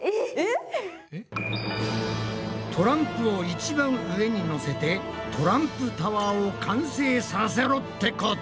トランプを一番上にのせてトランプタワーを完成させろってこと？